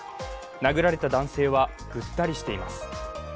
殴られた男性はぐったりしています。